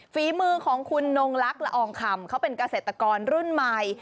ฝีมือของคุณนงลักษณ์ละอองคำเขาเป็นเกษตรกรรุ่นใหม่